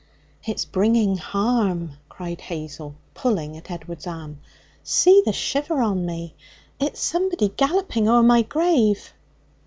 'It's bringing harm!' cried Hazel, pulling at Edward's arm; 'see the shivers on me! It's somebody galloping o'er my grave!'